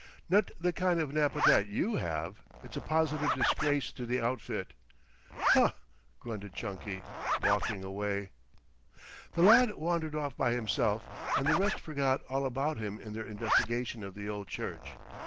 "Not the kind of an appetite you have. It's a positive disgrace to the outfit." "Huh!" grunted Chunky, walking away. The lad wandered off by himself, and the rest forgot all about him in their investigation of the old church.